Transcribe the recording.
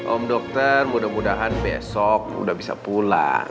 om dokter mudah mudahan besok sudah bisa pulang